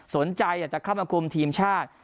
สนใจจะเข้ามาคลุมทีมชาติ